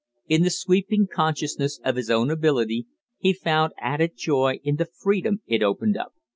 In the sweeping consciousness of his own ability, he found added joy in the freedom it opened up.